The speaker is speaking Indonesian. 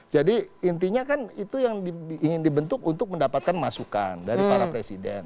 jadi intinya kan itu yang ingin dibentuk untuk mendapatkan masukan dari para presiden